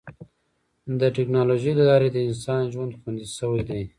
د ټکنالوجۍ له لارې د انسان ژوند خوندي شوی دی.